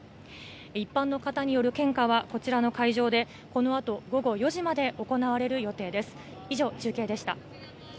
一般の方による献花は、こちらの会場で、このあと午後４時まで行われる予定です。